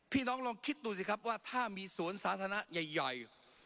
ลองคิดดูสิครับว่าถ้ามีสวนสาธารณะใหญ่